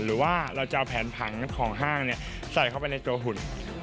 หรือว่าเราจะเอาแผนผังของห้างใส่เข้าไปในตัวหุ่น